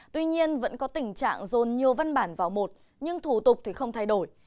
tuy nhiên vẫn có tình trạng dồn nhiều văn bản vào một nhưng thủ tục thì không thay đổi